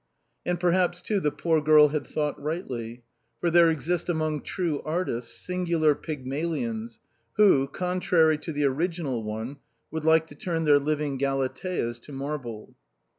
And perhaps, too, the poor girl had thought rightly, for there exist among true artists singular Pygmalions who, contrary to the original one, would like to turn their living Galateas to marble.